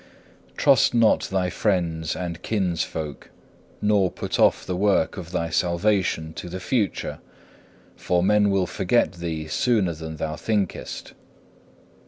5. Trust not thy friends and kinsfolk, nor put off the work of thy salvation to the future, for men will forget thee sooner than thou thinkest.